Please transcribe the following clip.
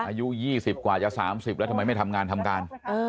อายุ๒๐กว่าจะ๓๐แล้วทำไมไม่ทำงานทำการ